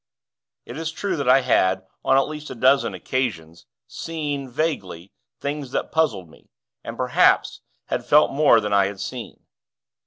It is true that I had, on at least a dozen occasions, seen, vaguely, things that puzzled me, and, perhaps, had felt more than I had seen.